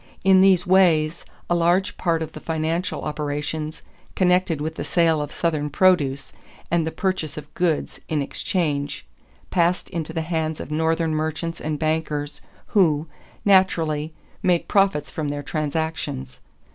In these ways, a large part of the financial operations connected with the sale of Southern produce and the purchase of goods in exchange passed into the hands of Northern merchants and bankers who, naturally, made profits from their transactions.